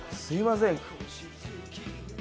すみません。